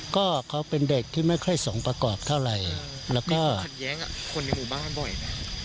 ก็เขาเป็นเด็กที่ไม่เคยส่งประกอบเท่าไรแล้วก็คนในหมู่บ้านบ่อยนะ